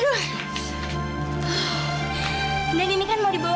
dan ini kan mau dibawa ke toko roti sebelah